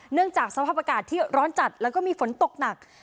จากสภาพอากาศที่ร้อนจัดแล้วก็มีฝนตกหนัก